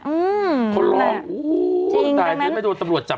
อื้อมันแหละ